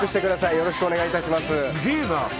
よろしくお願いします。